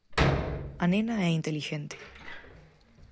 A nena é intelixente.